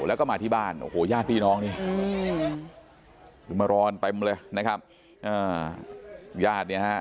แล้วก็มาที่บ้านโอ้โหญาติพี่น้องนี่คือมารอกันเต็มเลยนะครับญาติเนี่ยฮะ